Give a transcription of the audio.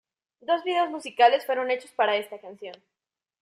Dos vídeos musicales fueron hechos para esta canción.